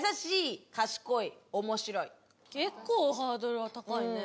結構ハードルが高いね。